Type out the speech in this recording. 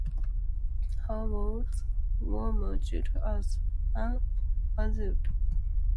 Her words were murmured as an aside.